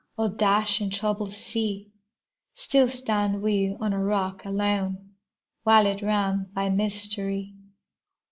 O dashing, troubled sea! Still stand we on a rock alone, Walled round by mystery.